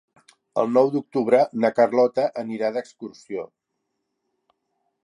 El nou d'octubre na Carlota anirà d'excursió.